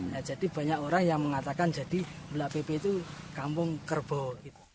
nah jadi banyak orang yang mengatakan jadi bela bebe itu kampung kerbau